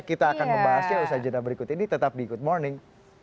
kita akan membahasnya usai jeda berikut ini tetap di good morning